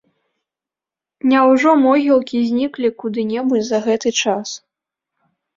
Няўжо могілкі зніклі куды-небудзь за гэты час?